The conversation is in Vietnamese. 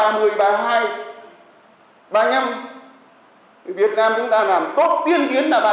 nhưng việt nam chúng ta làm tốt tiên tiến là ba cánh